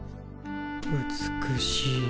美しい。